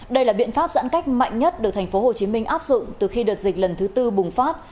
đây là biện pháp giãn cách mạnh nhất được tp hcm áp dụng từ khi đợt dịch lần thứ tư bùng phát